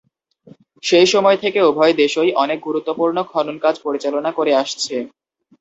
সেই সময় থেকে উভয় দেশই অনেক গুরুত্বপূর্ণ খনন কাজ পরিচালনা করে আসছে।